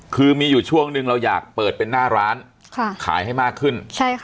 คือมีอยู่ช่วงหนึ่งเราอยากเปิดเป็นหน้าร้านขายให้มากขึ้น